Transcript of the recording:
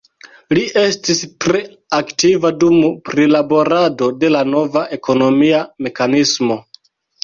Li estis tre aktiva dum prilaborado de la nova ekonomia mekanismo.